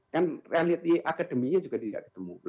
kan reality akademinya juga tidak ketemu